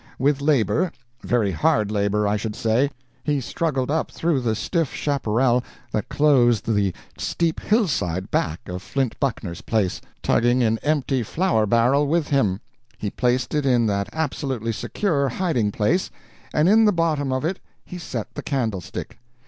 "With labor very hard labor, I should say he struggled up through the stiff chaparral that clothes the steep hillside back of Flint Buckner's place, tugging an empty flour barrel with him. He placed it in that absolutely secure hiding place, and in the bottom of it he set the candlestick.